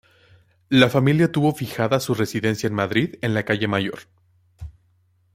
La familia tuvo fijada su residencia en Madrid, en la calle Mayor.